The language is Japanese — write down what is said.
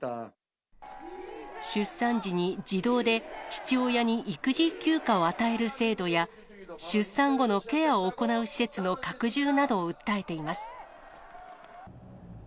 出産時に自動で父親に育児休暇を与える制度や、出産後のケアを行う施設の拡充などを訴えています。